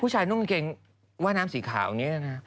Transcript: ผู้ชายนุ่งกางเกงว่าน้ำสีขาวเนี่ยนะ